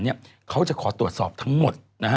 เขาจะขอตรวจสอบทั้งหมด